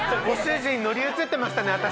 ご主人乗り移ってましたね